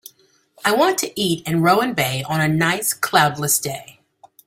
I want to eat in Rowan Bay on a nice cloud less day